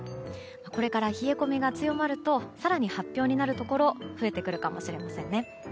これから冷え込みが強まると更に発表になるところ増えてくるかもしれませんね。